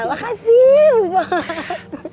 makasih bu bos